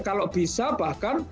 kalau bisa bahkan